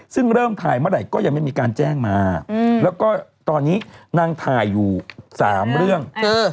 ซึ่งเริ่มถ่ายเมื่อไหร่ก็ยังไม่มีการแจ้งมาแล้วก็ตอนนี้นางถ่ายอยู่๓เรื่อง